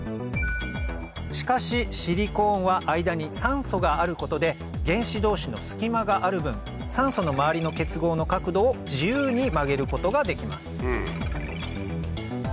しかしシリコーンは間に酸素があることで原子同士の隙間がある分酸素の周りの結合の角度を自由に曲げることができます